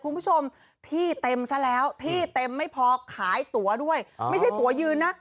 คุณผู้ชมที่เต็มซะแล้วที่เต็มไม่พอขายตัวด้วยไม่ใช่ตัวยืนนะ